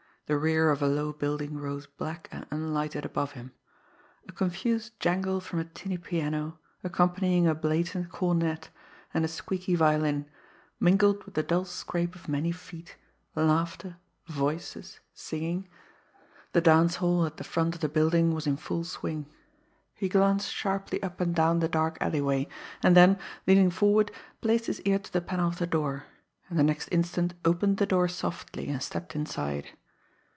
The rear of a low building rose black and unlighted above him. A confused jangle from a tinny piano, accompanying a blatant cornet and a squeaky violin, mingled with the dull scrape of many feet, laughter, voices, singing the dance hall at the front of the building was in full swing. He glanced sharply up and down the dark alleyway, then, leaning forward, placed his ear to the panel of the door and the next instant opened the door softly and stepped inside.